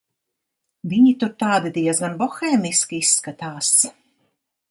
Viņi tur tādi diezgan bohēmiski izskatās.